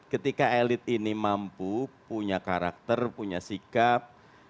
ketika elit ini mampu punya karakter punya sikap